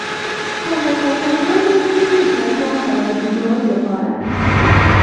په نسبتا لوی لوښي کې ګچ واچوئ د جوړولو لپاره.